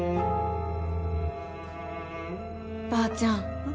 ばあちゃん。